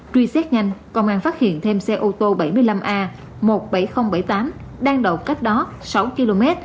truy xét nhanh công an phát hiện thêm xe ô tô bảy mươi năm a một mươi bảy nghìn bảy mươi tám đang đậu cách đó sáu km